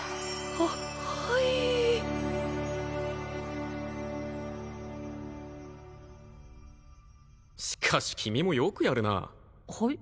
ははいしかし君もよくやるなはい？